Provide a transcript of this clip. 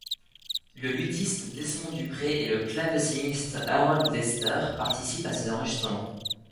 Le luthiste Desmond Dupré et le claveciniste Harold Lester participent à ses enregistrements.